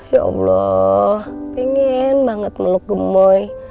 ya allah pengen banget meluk gemboy